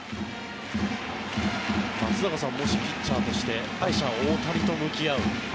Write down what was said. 松坂さんピッチャーとして打者・大谷と向き合う。